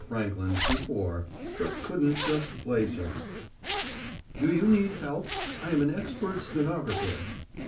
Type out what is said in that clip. Frankland before, but couldn't just place her. "Do you need help? I am an expert stenographer."